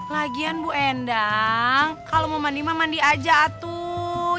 lagian bu endang kalau mau mandi mah mandi aja atur